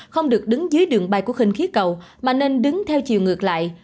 không được đứng dưới đường bay của khinh khí cầu mà nên đứng theo chiều ngược lại